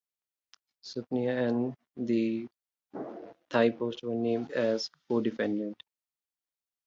Supinya and the Thai Post were named as co-defendants.